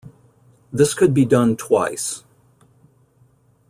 This could be done twice.